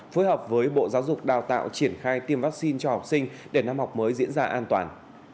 phối hợp với bộ giáo dục đào tạo triển khai tiêm vaccine cho học sinh để năm học mới diễn ra an toàn